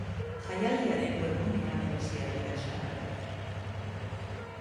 Jaialdiaren webgunean erosi ahal dira sarrerak.